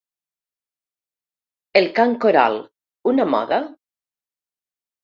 El cant coral, una moda?